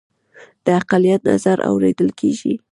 د اقلیت نظر اوریدل کیږي